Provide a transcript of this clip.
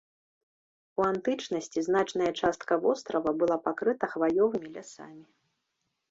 У антычнасці значная частка вострава была пакрыта хваёвымі лясамі.